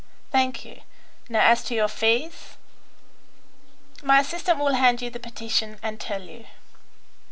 "Thank you. Now as to your fees?" "My assistant will hand you the petition and tell you."